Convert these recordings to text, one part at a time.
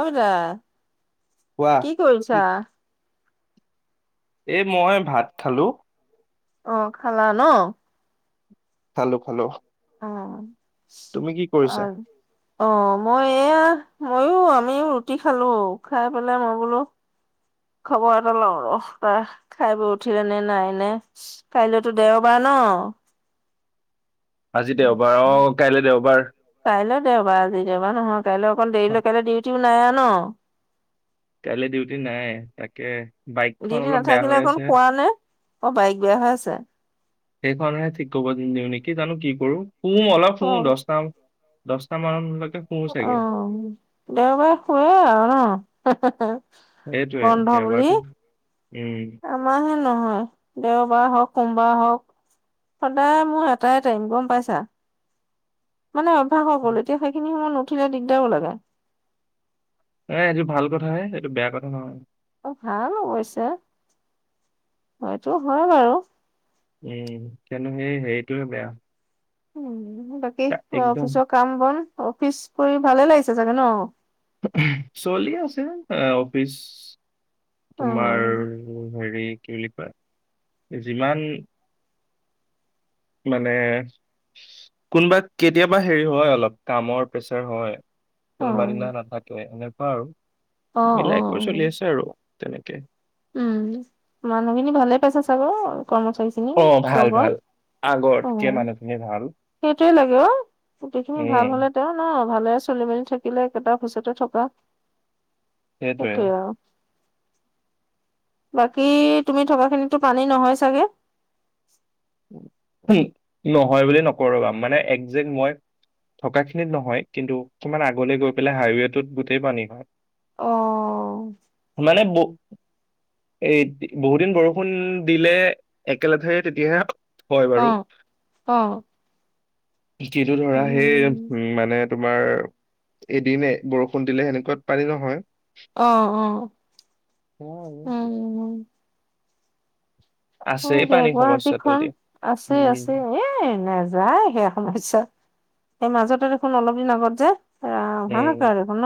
Aura কোৱা। কি কৰিছা? এ মই ভাত খালোঁ। অ খালা ন। খালো খালো অ তুমি কি অ কৰিছা? অ মই এয়া মইো আমিও ৰুটি খালো খাই পেলাই মই বোলো খবৰ এটা লওঁ ৰ তাৰ খাই বৈ উঠিলে নে নাই নে কাইলেতো দেওবাৰ ন আজি দেওবাৰ অ' কাইলৈ দেওবাৰ। কাইলৈ দেওবা আজি দেওবা নহয় কাইলৈ অকণ দেৰিলৈ কাইলৈ ডিউটি ম নাই ন। কাইালি ডিউটি নাই তাকে বাইকখন ডিউটি অলপ বেয়া নাথাকিলে হৈ অকণ আছে। শুৱা নে অ বাইক বেয়া হৈ আছে। সেইখনেহে ঠিক ক'ব দিও নেকি জানো কি কৰো, শু অলপ শু অ দহটা দহটা মান অ দেওবাৰে শুৱে আৰু ন সেইটোৱে বন্ধ বুলি। দেওবাৰটো উম। আমাৰ হে নহয় দেওবাৰে হওক সোমবাৰ হওক সদায় মোৰ এটাই টাইম গম পাইছা। মানে অভাস গ'ল এতিয়া সেইখিনি সময় ন দক্ষিণা দিগদাবলাগা [unintelligible] এ এইটো ভাল কথাহে এইটো বেয়া কথা নহয়। অ ভাল অৱশ্যে ।সেটো হয় বাৰু উম কিয়নো সেই হেৰিটোয়ে বেয়া উম বাকী তা- একদম অফিচৰ কাম বন অফিচ কৰি ভালে লাগিছে চাগে ন? চলি আছে অফিচ অ তোমাৰ হেৰি কি লি পাত যিমান মানে কোনোবা কেতিয়াবা হেৰি হয় অলপ কামৰ প্ৰেচাৰ হয়। অ কোনোবা দিনা নাথাকে এনেকুৱা আৰু অ অ মিলাই কৰি চলি আছে আৰু। তেনেকে উম মানুহখিনি ভালে পাইছা চাগে? অ ভাল ভাল অ আগৰ কে মানুহখিনি ভাল। সেইটোৱে লাগে অ গোটেইখিনি উম, ভাল হলে তেওঁ ন ভালে চলি মেলি থাকিলে একেইটা অফিচতে থকা সেইটোৱে আৰু বাকী তুমি থকাখিনিতো পানী নহয় চাগে? নহয় বুলি নকৰ ৰবা মানে একজেক্ট মই থকা খিনিত নহয় ।কিন্তু কিমান আগলে গৈ পেলাই হাইৱেটোত গোটেই পানী হয়। অ মানে ব এ বহুত দিন বৰষুণ দিলে একেলথে তেতিয়াহে হয় বাৰু, অ আহ কিন্তু ধৰা সেই উ মানে তোমাৰ এদিন বৰষুণ দিলে সেনেকুৱাত পানী নহয়। অ অ উম উ উ অ আছে দিয়া পানী সমস্যাটো গুৱাহাটীখন এতিয়া আছে উম আছে এ নাযায় সেয়া সমস্যা। এই মাজতে দেখোন অলপ দিন আগত যে ৰা হ এই কখ ন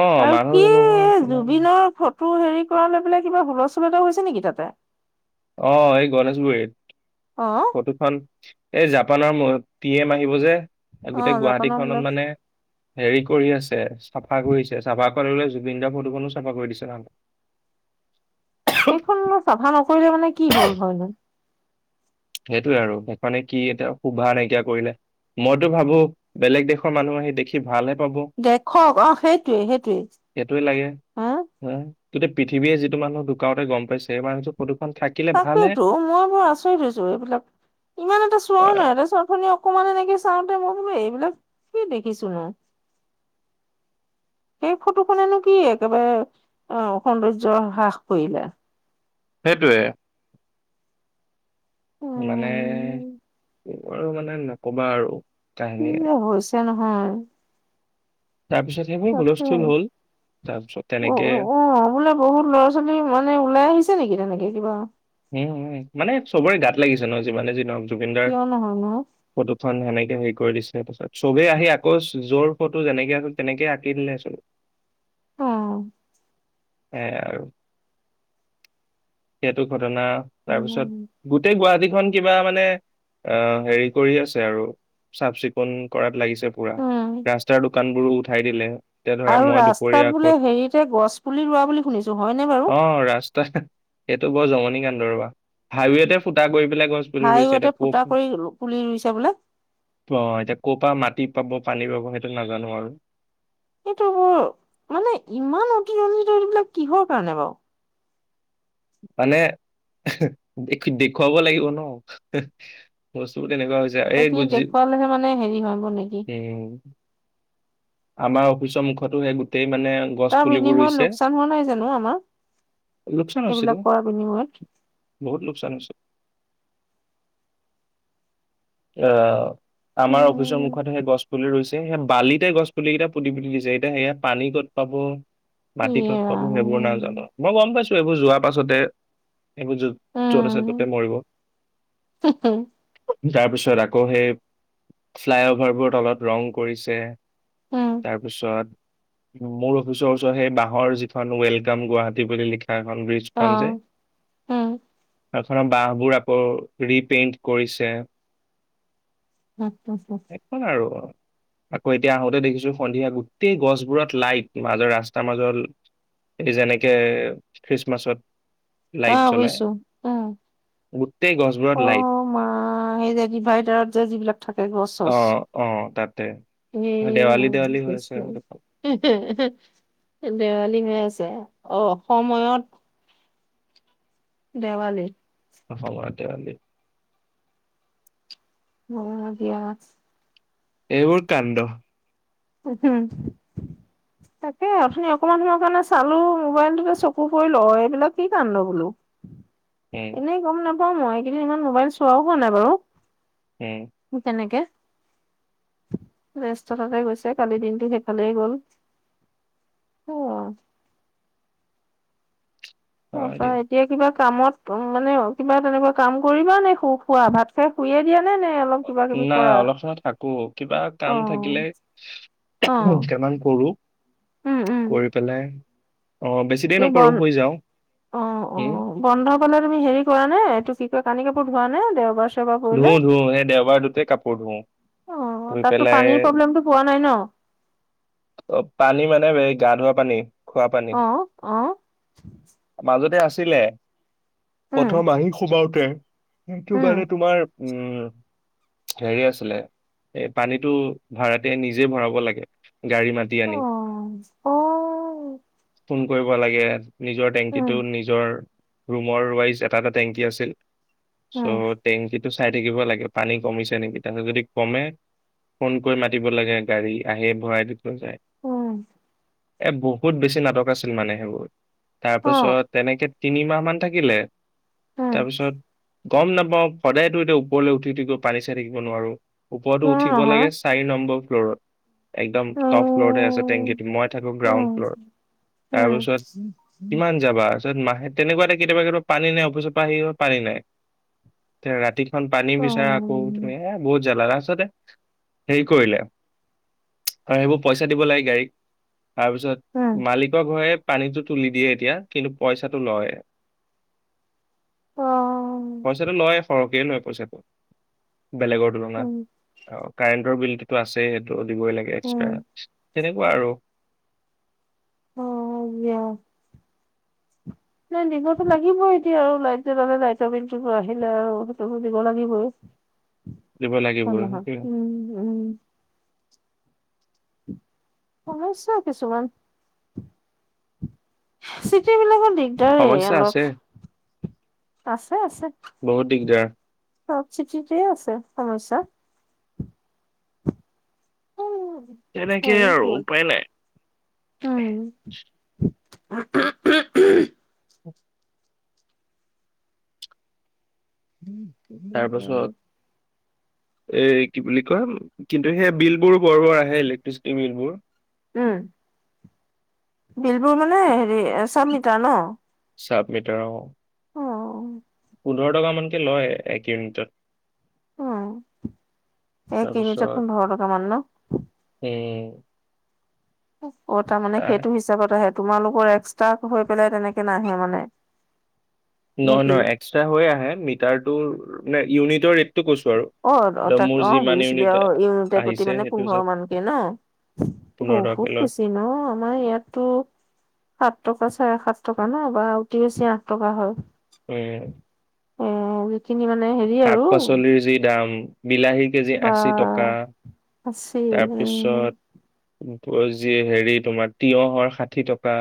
অ আৰু কি মানুহজনৰ কিমান জুবিনৰ ফ টো হেৰি কৰা লৈ পেলাই কিবা হুলস্থূল হৈছে নেকি তাতে? অ এই গণেশগুৰিত। অ ফটোখন এ যাব। জাপানৰ মূৰত পি এম আহিব যে আৰু অ গোটেই জাপানৰ বোলে গুৱাহাটীখনত মানে হেৰি কৰি আছে চাফা কৰিছে চাফা কৰিলে জুবিন দাৰ ফটোখনো চাফা কৰি দিছে তাহাঁতে সেইখন সভান আছে। কৰিলে মানে কি হ'ল হয় ল। সেইটোয়ে আৰু মানে কি এতিয়া শুভা নাইকিয়া কৰিলে মইতো ভাবো বেলেগ দেশৰ মানুহ আহি দেখি ভালহে পাব দেখক আহ সেইটোৱে সেইটোৱে সেইটোৱে লাগে হা গোটেই পৃথিৱীয়ে যিটো মানুহ ধুকাওঁতে গম পাইছে মানুহ তাকেইেতো মই বৰ আচৰিত হৈছোঁ। এইবিলাক ইমান এটা চোৱাও আহ, নহয় এ চৰনি অকমান এনেকে চাওঁ। তে মই বোলো এইবিলাক কি দেখিছো ন সেই ফটোখনেনো কি একেবাৰে আহ সৌন্দৰ্য হ্ৰাস কৰিলে সেইটোৱে মানে উম এইবোৰ মানে নকবা আৰু কি কাহিনীয়ে যে হৈছে নহয় তাৰপিছত সেইবোৰ তাকে হুলস্থুল হ'ল তাৰপিছত অ তেনেকে বোলে বহুত লৰা ছোৱালী মানে ওলাই আহিছে নেকি তেনেকে কিবা উ মানে চবৰে গাত লাগিছে ন যিমানে যি ন। জুবিনদাৰ কিয় নহয় নো ফটোখন সেনে এতিয়া হেৰি কৰি দিছে ত পাছত চবেই আহি আকৌ যোৰ ফটো যেনেকে আ তেনেকে আঁকি দিলে চ অ সে আৰু সিহটো তাৰপিছত উম গোটেই গুৱাহাটী। কিবা মানে অ হেৰি কৰি আছে আৰু চাফ চিকুণ কৰাত লাগিছে। পুৰা ৰাস্তাৰ দোকান বোৰো উঠাই দিলে। এতিয়া ধৰা আৰু মই দুপৰীয়া ৰাস্তাত বোলে ক'ত হেৰিতে গছ পুলি ৰোৱা বুলি শুনিছো হয়নে বাৰু। অ ৰাস্তা সেইটো বৰ জমনি কান্দ ৰবা হাইৱেটে ফুটা কৰি ব গছ পুলি ৰুইছে ৰবা হাইৱেতে এতিয়া কপ ফুটা কৰি পুলি ৰুইছে বোলে অ এতিয়া কপা মাটি পাব পানী পাব সেইটো নাজানো আৰু। এইটো বোৰ মানে ইমান অতিজনিত এইবিলাক কিহৰ কাৰণে বাৰু। [unintelligible] মানে দেখুৱাব লাগিব ন বস্তু। সেইখিনি দেখুৱালেহে মানে হেৰি হব নেকি। উম আমাৰ অফিচৰ মুখতো সেই গোটেই। মানে গছ তাৰ পুলিবোৰ বিনিময়ত ৰুইছে লোকচান হোৱা নাই জানো আমাৰ লোকচান এইবিলাক আছিলো কৰাৰ বিনিময়ত? বহুত লোকচান হৈছে। এয়াঅ [unintelligible] আমাৰ অফিচৰ মুখত সেই গছ পুলি ৰুইছে সেয়া বালিতে গছ পুলি কেইটা পুতি পুতি দিছে এতিয়া সেয়া পানী ক'ত পাব মাটি ইয়ে কত পাব ৰাম সেইবোৰ নাজানো মই গম পাইছো এই তো যোৱাৰ পাছতে এইবোৰ যত য'ত আছে ত'তে উম মৰিব তাৰ পিছত আকৌ সেই ফ্লাই অভাৰবোৰ তলত ৰং কৰিছে উম তাৰপিছত মোৰ অফিচৰ ওচৰত সেই বাঁহৰ যিখন ওৱেলকাম গুৱাহাটী বুলি লিখা এখন ব্ৰিজখন যে অ' উম তাছত ৰ বাহবোৰ আকৌ ৰিপেইণ্ট কৰিছে অ' শেষ হ'ল আৰু আকৌ এতিয়া আহোতে দেখিছো সন্ধিয়া গোটেই গছবোৰত লাইট মাজৰ ৰাস্তাৰ মাজত এই যেনেকে খ্ৰীষ্টমাছত অ লাইট জ্বলাই শুইছো অ গোটেই গছবোৰত অ লাইট মা সেই যে ডিভাইডাৰত যে যিবিলাক থাকে গছ চছ অ অ তাতে এ ন দেৱালী দেৱালী হৈ আছে আৰু হে হে হে লি হৈ আছে অ অসময়ত দেৱালী অসমৰ দেৱালী অ দিয়া এইবোৰ কাণ্ড উ হম তাকে অঠনি অকমান সময় কাৰণে চালো মোবাইলটোকে চকু পৰিল অ এইবিলাক কি কান্দ বোলো উম এনেই গম নাপ- পাওঁ মই এইকেইদিন ইমান মোবাইল চোৱাও হোৱা নাই বাৰু উম তেনেকে ৰাস্তা তাতে গৈছে কালি দিনটো সেইফালে গ'ল অ হয় তাৰপা দিয়া এতিয়া কিবা কামত উ মানে কিবা তেনেকোৱা কাম কৰিবা নে শু শুৱা ভাত খাই শুইয়ে দিয়া নি নাই অলপ সময় থাকো কিবা অ কাম থাকিলে অ দুটামান কৰো উম উম কৰি পেলাই অ বেছি দেৰি তুমি নকৰো বন শুই যাওঁ অ অ উম বন্ধ পালে তুমি হেৰি কৰা নে ত কি কয় কানি কাপোৰ ধোৱা নে দেওবাৰ চেও- ধুও ধুও সেই দেওবাৰটোতে কাপোৰ ধুও অ', ধুই তাততো পেলাই পানীৰ প্ৰব্লেমটো পোৱা নাই ন? অ পানী মানে বে গা ধোৱা পানী খোৱা পানী অ', অ', মাজতে আছে ছিলে উম, প্ৰথম আহি সোমাওতে সেইটো ৱালেদ উম, তোমাৰ উম, হেৰি আছিলে, এই পানীটো ভাড়াতিয়ে নিজেই ভৰাব লাগে। গাড়ী মাতি অ', আনিম অ', ।কোন কৰিব লাগে এয়াত। নিজৰ টেঙ্কিটো উম, নিজৰ ৰুমৰ ৱাইজ এটা এটা টেঙ্কি আছিল। উম, চবত্‌ টেংকিটো চাই থাকিব লাগে পানী কমিছে নেকি। তাৰপিছত যদি কমে ফোন কৰি মাতিব লাগে গাড়ী আহে ভৰাই দি থৈ যায়। অঁ এ বহুত বেছি নাটক আছিল মানে সেইবোৰ। অ', তাৰপাছত তেনেকে তিনিমাহ মান থাকিলে। উম, তাপিছত গ'ম নাপাওঁ । সদায়টো এতিয়া ওপৰলৈ উঠি উঠি গৈ পানী চাই থাকিব নোৱাৰো । ওপৰটো কিয়নো উঠিব নহয়? লাগে চাৰি নম্বৰ ফ্ল'ৰত একদম টপ্‌ ফ্ল'ৰতে আছে উম, টেংকিটো মই থাকো গ্ৰাউণ্ড উম, ফ্ল'ৰত ।তাৰ উম, পিছত, কিমান যাবা য'ত মাহে তেনেকুৱা এটা কেতিয়াবা কেতিয়াবা পানী নাই, অফিচৰ পা আহি পানী নাই । তেওঁ--ৰাতি এখন পানী অ', বিচাৰা আকৌ তুমি এহ্‌ বহুত জালা ৰাজ । ছতে হেৰি কৰিলে, সে সেইবোৰ পইচা দিব লাগে গাড়ীক। তাৰ পিছত উম, মালিকৰ ঘৰে পানীটো তুলি দিয়ে এতিয়া, কিন্তু পইচাটো লয়। অঁ পইচাটো লয় সৰহকে লয় পইচাটো। বেলেগৰ উম, তুলনাত অঁ কাৰেণ্ট টৰ বিলটো টো আছে সেইটো। টো দিবই লাগে এক্সট্ৰা উম, । তেনেকুৱা আৰু- অঁ দিয়া। দিবটো লাগিবই এতিয়া আৰু লাইট জলালে লাইটৰ বিলতোটো আহিলে আৰু সেইটোতো দিব লাগিবই। দিব হ'য়, নহয় লাগিবই উম উম সমস্যা কিছুমান চিটি বিলাকত দেখি দেই সমস্যা অলপ আছে আছে আছে। বহুত দিগদাৰ চব চিৰ্টিতেই আছে সমস্যা। [unintelligible] তেনেকেই হয়ে আৰু চো উপায় নাই উম। [unintelligible] [unintelligible] উম আ এ কি বুলি কয় কিন্তু সেই বিল বোৰ বৰ বৰ আহে ইলেক্ট্ৰিচিটি বিল বোৰ। উম বিলবোৰ মানে হেৰি চাব মিটাৰ ন। চাপ মিটাৰ অ। উম পোন্ধৰ টকা মানকে লয় এক ইউনিটত। উম এক ইউনিটত তাৰপিছত পোন্ধৰ টকামান লয়। উম [inaudible] অ তাৰ মানে আহ সেইটো হিচাপত আহে। তোমালোকৰ এক্সট্ৰাক হৈ পেলাই তেনেকে নাহে মানে। নহয় নেকি? নহয় এক্সট্ৰা হৈ আহে মিটাৰটো ন ইউনিটৰ কৈছো আৰু অ এতিয়া তাক মোৰ অ যিমান বুজিছিলি ইউনিট আৰু ইউনিটৰ প্ৰতি আহিছে মানে সেইটো পোন্ধৰ হিচাপ মানকে ন পোন্ধৰ টকাকে বহুত লয় বেছি ন আমাৰ ইয়াতটো সাত টকা। চাৰে সাত টকা ন বা অতি বেছি আঠ টকা হয়। উম উম শাক পাচলিৰ যি দাম বিলাহী কেজি আশী টকা তাৰপিছত- যি হেৰি তোমাৰ তিয়হৰ ষাঠি টকা।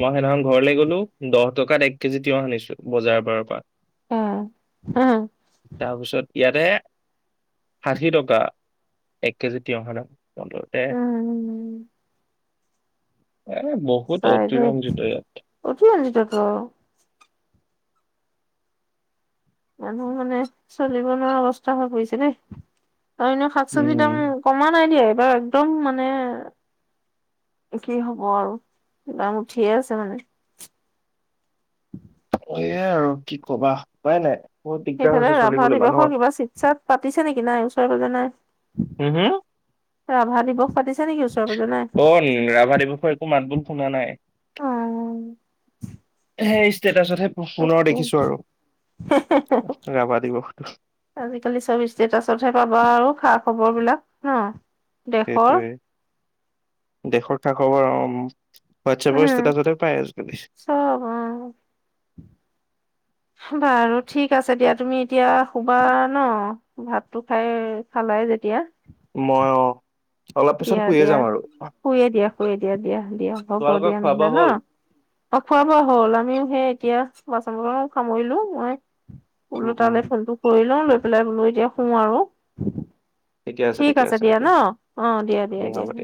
মই সেইদিনাখন ঘৰলে গলোঁ। দহ টকাত এক কেজি তিয়হ আনিছোঁ বজাৰৰ পাৰৰ পৰা। অহ। তাৰপিছত ইয়াতে। ষাঠি টকা এক কেজি তিয়ঁহৰ দাম। [unintelligible] এ বহুত অতিৰঞ্জিত ইয়াত। অ মানুহ মানে চলিব নোৱাৰা অৱস্থা হৈ পৰিছে দেই। আৰু এনে শাক চবজি উম দাম কমা নাই দিয়ে। আৰু একদম মানে কি হ'ব আৰু কিবা উঠিয়ে আছে মানে। এইয়াই আৰু কি কবা উপাই নাই। বহুত দিগদাৰ সেইফালে হৈছে ৰাভা চলিবলৈ দিৱসৰ মানুহৰ কিবা চিৎসা পাতিছে নেকি নাই। তই বোজা নাই। হম হম ৰাভা দিৱস পাতিছে। নেকি ওচৰে পাজৰে নাই অ ৰাভা দিৱসৰ একো মাত বোল শুনা নাই? অ সেই ষ্টেটাচতহে পুনৰ তাকে, দেখিছো আৰু ৰাভা দিৱসটো আজিকালি চব ষ্টেটাচতহে পাবা আৰু খা খবৰ বিলাক। হা। দেশৰ। সেইটোৱে দেশৰ খা খবৰ, অ ম ৱাটচাপৰ উম ষ্টেতাচতে পাই আজিকালি । চব অ বাৰু ঠিক আছে দিয়া । তুমি এতিয়া শুবা ন, ভাতটো খাই খালাই যেতিয়া? মই অ । দিয়া দিয়া শুয়ে দিয়া শুয়ে দিয়া দিয়া দিয়া হ'ব তোমালোকৰ দিয়া খোৱা বোৱা নহলে ন হ'ল । অ খোৱা বোৱা হ'ল । আমিও সেই এতিয়া বাচন বচন সামৰিলো । মই বোলো উম উম তালে ফোনটো কৰিলওঁ লৈ পেলাই লৈ এতিয়া শু আৰু । ঠিকে ঠিক ঠিকে আছে দিয়া দে ন, অ দিয়া দিয়া এই দিয়া। হ'ব দে